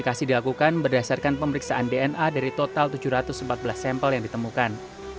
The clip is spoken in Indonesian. terima kasih dilakukan berdasarkan pemeriksaan dna dari total tujuh ratus empat belas sampel yang ditemukan